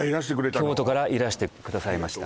京都からいらしてくださいました